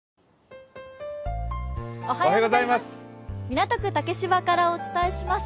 港区竹芝からお伝えします。